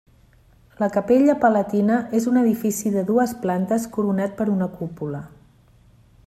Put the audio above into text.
La capella palatina és un edifici de dues plantes coronat per una cúpula.